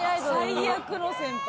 最悪の先輩。